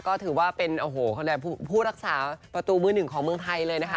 ก็ถือว่าเป็นโอ้โหผู้รักษาประตูมือหนึ่งของเมืองไทยเลยนะคะ